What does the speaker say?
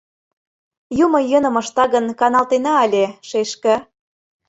Юмо йӧным ышта гын, каналтена але, шешке.